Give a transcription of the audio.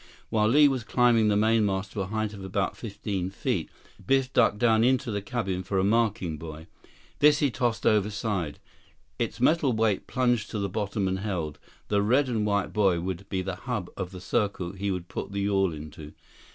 While Li was climbing the mast to a height of about fifteen feet, Biff ducked down into the cabin for a marking buoy. This he tossed overside. Its metal weight plunged to the bottom and held. The red and white buoy would be the hub of the circle he would put the yawl into.